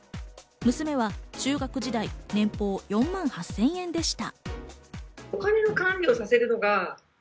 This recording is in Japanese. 娘は中学時代、年俸４万８０００円でした。